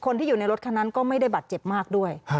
คนที่อยู่ในรถคันนั้นก็ไม่ได้บาดเจ็บมากด้วย